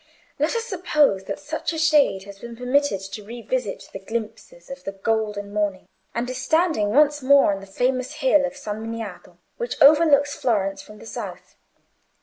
Let us suppose that such a Shade has been permitted to revisit the glimpses of the golden morning, and is standing once more on the famous hill of San Miniato, which overlooks Florence from the south.